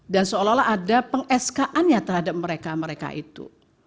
dan seolah olah ada pengeskaan ya terhadap mereka mereka itu